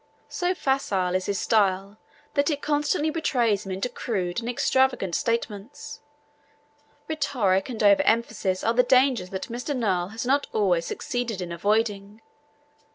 So facile is his style that it constantly betrays him into crude and extravagant statements. Rhetoric and over emphasis are the dangers that Mr. Noel has not always succeeded in avoiding.